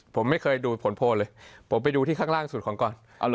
ผมไม่เคยดูผลโพลเลยผมไปดูที่ข้างล่างสุดของก่อน